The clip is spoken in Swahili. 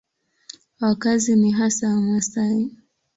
Wakazi ni hasa Wamasai.